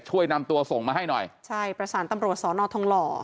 ช่วยนำตัวส่งมาให้หน่อยใช่ประสานตำรวจสอนอทองหล่อ